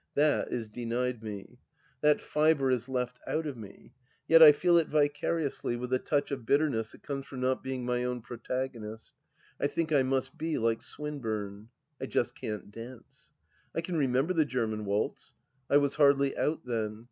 That is denied me. That fibre is left out of me. Yet I feel it vicariously, with the touch of bitterness that comes from not being my own protagonist. I think I must be like Swinburne. .,. I just can't dance. I can remember the German waltz. I was hardly out then.